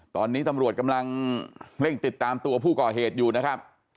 ตอนนี้ตำรวจกำลังเร่งติดตามตัวผู้ก่อเหตุอยู่นะครับ